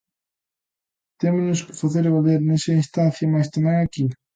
Témonos que facer valer nesa instancia mais tamén aquí.